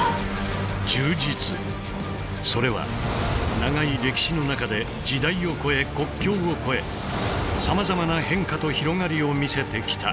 それは長い歴史の中で時代をこえ国境をこえさまざまな変化と広がりを見せてきた。